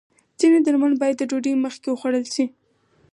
ځینې درمل باید د ډوډۍ مخکې وخوړل شي.